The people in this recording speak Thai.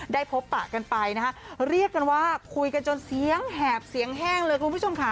พบปะกันไปนะคะเรียกกันว่าคุยกันจนเสียงแหบเสียงแห้งเลยคุณผู้ชมค่ะ